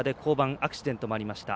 アクシデントもありました。